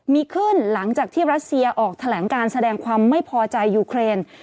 มีขึ้นหลังจากที่รัสเซียออกแถลงการแสดงความไม่พอใจยูเครน